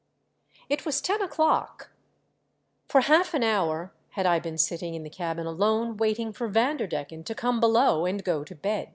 It was ten o'clock. For half an nour had I been sitting in the cabin alone waiting for Vanderdecken to come below and rro to bed.